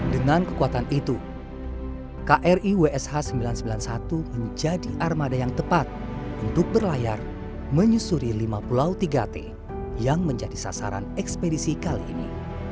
dengan kekuatan itu kri wsh sembilan ratus sembilan puluh satu menjadi armada yang tepat untuk berlayar menyusuri lima pulau tiga t yang menjadi sasaran ekspedisi kali ini